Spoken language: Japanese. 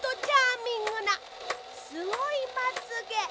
すごいまつげ！